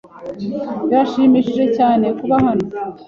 Birashimishije cyane kuba hano.